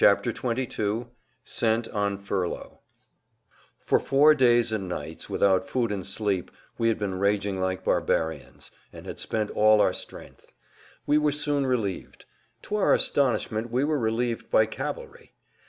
[Pg 178] XXII SENT ON FURLOUGH For four days and nights, without food and sleep, we had been raging like barbarians, and had spent all our strength. We were soon relieved. To our astonishment we were relieved by cavalry.